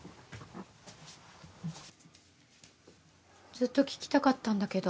ずっと聞きたかったんだけど。